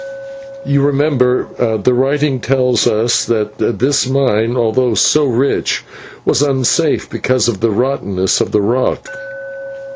You remember the writing tells us that this mine, although so rich, was unsafe because of the rottenness of the rock.